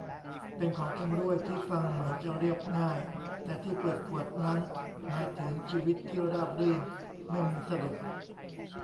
เป็นของชำร่วยที่ฟังเหมือนจะเรียบง่าย แต่ที่เปิดขวดนั้นหมายถึงชีวิตที่ราบรื่นไม่มีสะดุด